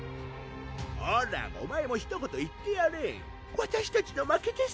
ほらお前もひと言言ってやれ「わたしたちの負けです」